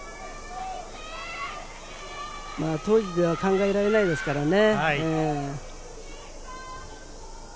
当時では考えられないですからね。